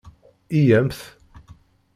Yya-mt!